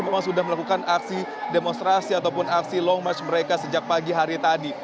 memang sudah melakukan aksi demonstrasi ataupun aksi long march mereka sejak pagi hari tadi